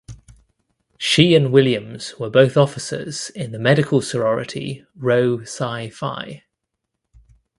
She and Williams were both officers in the medical sorority Rho Psi Phi.